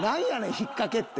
引っ掛けって。